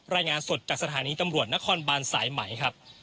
รายงานสดจากสถานีตำรวจนครบานสายไหมครับ